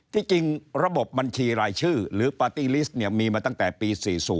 ที่จริงระบบบัญชีรายชื่อหรือปาร์ตี้ลิสต์มีมาตั้งแต่ปี๔๐